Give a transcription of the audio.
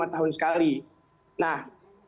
lima tahun sekali nah